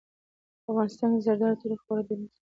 په افغانستان کې د زردالو تاریخ خورا ډېر اوږد دی.